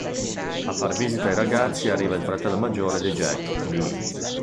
A far visita ai ragazzi arriva il fratello maggiore di Jack, Lee.